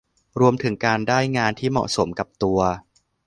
รวมถึงการได้งานที่เหมาะสมกับตัว